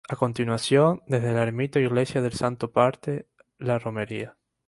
A continuación, desde la ermita o iglesia del Santo parte la romería.